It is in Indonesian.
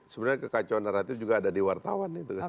sebenarnya kekacauan naratif juga ada di wartawan itu kan